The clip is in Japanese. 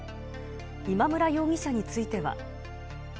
今村容疑者については。